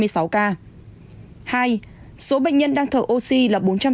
hai số bệnh nhân đang thở oxy là bốn trăm tám mươi ca